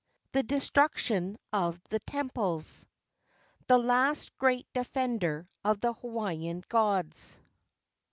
THE DESTRUCTION OF THE TEMPLES. THE LAST GREAT DEFENDER OF THE HAWAIIAN GODS.